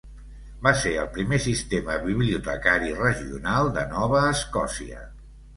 Va ser el primer sistema bibliotecari regional de Nova Escòcia.